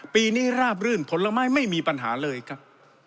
ปีนี้ราบรื่นผลไม้ไม่มีปัญหาเลยครับ